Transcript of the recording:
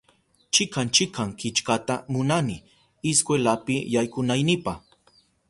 Chikan chikan killkata munani iskwelapi yaykunaynipa